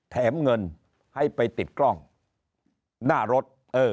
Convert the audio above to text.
แถมเงินให้ไปติดกล้องหน้ารถ